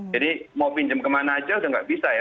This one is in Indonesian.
jadi mau pinjam kemana aja udah nggak bisa ya